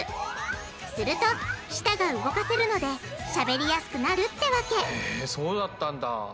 すると舌が動かせるのでしゃべりやすくなるってわけそうだったんだ。